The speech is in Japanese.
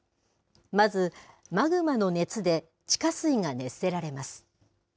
まず、マグマの熱で地下水が熱せられます。